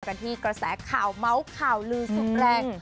กันที่กระแสข่าวเมาส์ข่าวลือสุดแรง